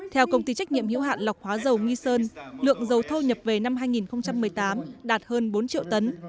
theo công ty trách nhiệm hiệu hạn lọc hóa dầu nghi sơn lượng dầu thô nhập về năm hai nghìn một mươi tám đạt hơn bốn triệu tấn